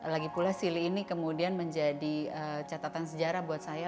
lagipula silly ini kemudian menjadi catatan sejarah buat saya